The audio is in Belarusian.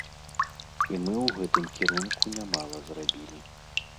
І мы ў гэтым кірунку нямала зрабілі.